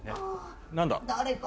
何だ？